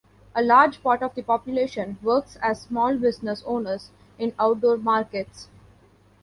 A large part of the population works as small business owners in outdoor markets.